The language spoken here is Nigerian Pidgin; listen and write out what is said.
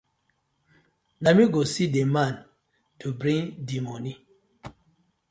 Na mi go see the man dey to bting dii moni.